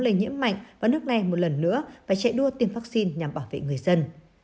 lây nhiễm mạnh và nước này một lần nữa phải chạy đua tiêm vaccine nhằm bảo vệ người dân